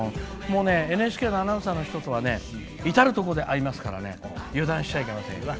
ＮＨＫのアナウンサーの人とは至る所で会いますから油断しちゃいけません。